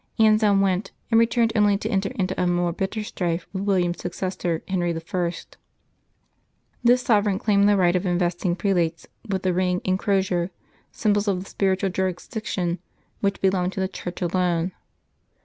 Anselm went, and returned only to enter into a more bitter strife with William's successor, Henry I. This sovereign claimed the right of investing prelates with the April 22] LIVES OF TEE SAINTS 153 ring and crozier, s3'mbols of the spiritual jurisdiction which belongs to the Church alone.